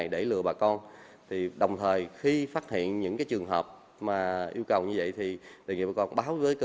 đó thì đồng thời khi phát hiện những cái trường hợp mà yêu cầu như vậy thì đề nghị bà con báo với cơ